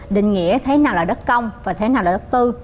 định nghĩa thế nào là đất công và thế nào là đất tư